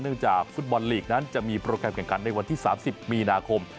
เนื่องจากฟุตบอลลีกจะมีโปรแกรมกันในวันที่๓๐มีนาคม